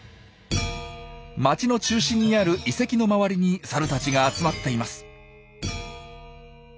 街の中心にある遺跡の周りにサルたちが集まっています。